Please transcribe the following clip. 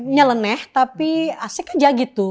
nye leneh tapi asik aja gitu